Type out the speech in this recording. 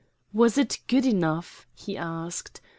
"Was it good enough?" he asked.